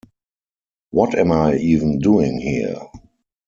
What am I even doing here?